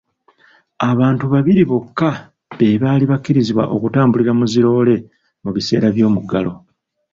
Abantu babiri bokka be baali bakkirizibwa okutambulira mu zi loore mu biseera by'omuggalo.